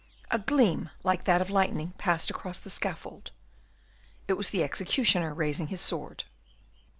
A gleam like that of lightning passed across the scaffold: it was the executioner raising his sword.